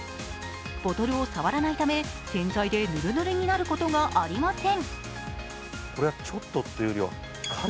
ボトルを触らないため、洗剤でぬるぬるになることがありません。